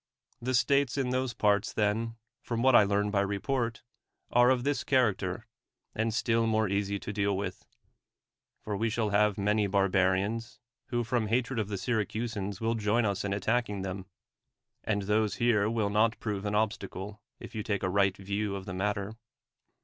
The states in those parts, then, from what I learn by report, are of this character, and still more easy to deal with — for we shall have many barbarians, who from hatred of the Syracusans v/ill join us in attacking them — and those here will not prove an obstacle, if you take a right view of the mat ter.